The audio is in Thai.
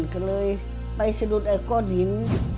ก็เลยไปสะดุดไอ้ก้อนหิน